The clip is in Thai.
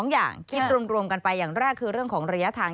อย่างคิดรวมกันไปอย่างแรกคือเรื่องของระยะทาง